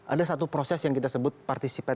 ada satu proses yang kita sebut partisipasi